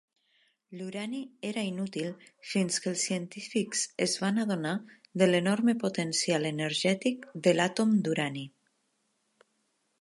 L'urani era inútil fins que els científics es van adonar de l'enorme potencial energètic de l'àtom d'urani.